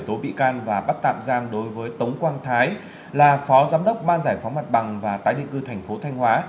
tố bị can và bắt tạm giam đối với tống quang thái là phó giám đốc ban giải phóng mặt bằng và tái định cư thành phố thanh hóa